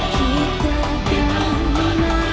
kita menghadapi dunia